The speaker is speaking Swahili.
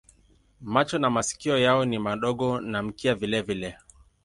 Macho na masikio yao ni madogo na mkia vilevile.